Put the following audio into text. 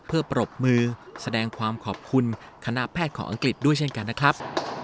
เพื่อปรบมือแสดงความขอบคุณคณะแพทย์ของอังกฤษด้วยเช่นกันนะครับ